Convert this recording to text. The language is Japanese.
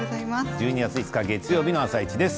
１２月５日月曜日の「あさイチ」です。